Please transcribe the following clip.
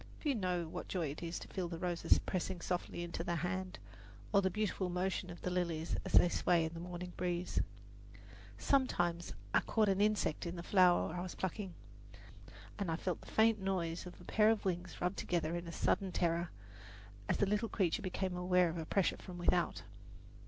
Few know what joy it is to feel the roses pressing softly into the hand, or the beautiful motion of the lilies as they sway in the morning breeze. Sometimes I caught an insect in the flower I was plucking, and I felt the faint noise of a pair of wings rubbed together in a sudden terror, as the little creature became aware of a pressure from without.